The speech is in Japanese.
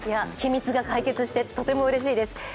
秘密が解決してとてもうれしいです。